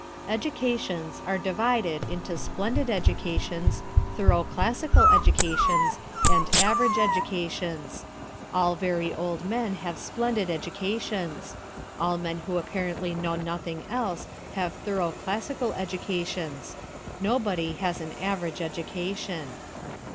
Educations are divided into splendid educations, thorough classical educations, and average educations. All very old men have splendid educations; all men who apparently know nothing else have thorough classical educations; nobody has an average education.